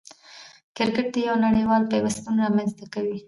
کرکټ یو نړۍوال پیوستون رامنځ ته کوي.